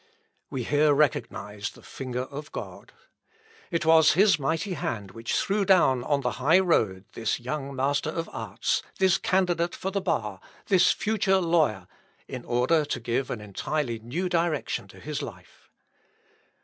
We here recognise the finger of God. It was his mighty hand which threw down on the high road this young Master of Arts, this candidate for the bar, this future lawyer, in order to give an entirely new direction to his life.